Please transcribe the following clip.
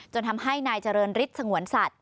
ทำให้นายเจริญฤทธิ์สงวนสัตว